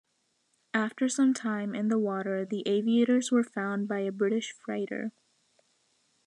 After some time in the water, the aviators were found by a British freighter.